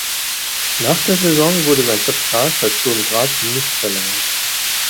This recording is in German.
Nach der Saison wurde sein Vertrag bei Sturm Graz nicht verlängert.